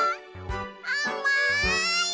あまい！